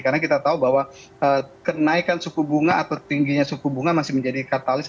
karena kita tahu bahwa kenaikan suku bunga atau tingginya suku bunga masih menjadi katalis